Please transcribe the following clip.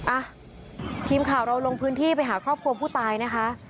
อ่ะทีมข่าวเราลงพื้นที่ไปหาครอบครัวผู้ตายนะคะ